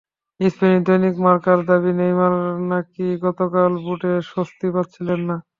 Spanish দৈনিক মার্কার দাবি, নেইমার নাকি গতকাল বুটে স্বস্তি পাচ্ছিলেন না।